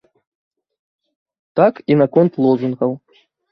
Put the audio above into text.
Так, і наконт лозунгаў.